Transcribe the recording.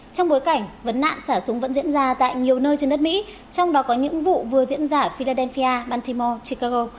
trong bối cảnh vấn nạn xả súng vẫn diễn ra tại nhiều nơi trên đất mỹ trong đó có những vụ vừa diễn ra ở philadelphia bantimo chicago